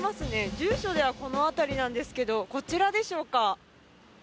住所ではこの辺りなんですけどこちらでしょうか？